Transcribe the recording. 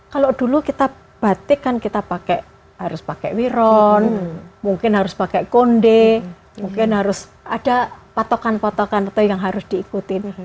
kalau dulu kita batik kan kita pakai harus pakai wiron mungkin harus pakai konde mungkin harus ada patokan patokan atau yang harus diikutin